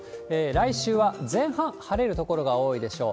来週は前半、晴れる所が多いでしょう。